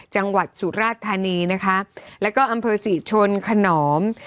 จังหวัดสุราชธานีนะคะแล้วก็อำเภอศรีชนขนอม